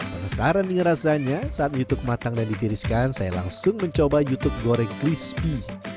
penasaran dengan rasanya saat youtube matang dan ditiriskan saya langsung mencoba youtube goreng crispy